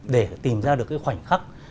để tìm ra được cái khoảnh khắc